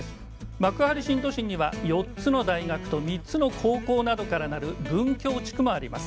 幕張新都心には、４つの大学と３つの高校などからなる文教地区もあります。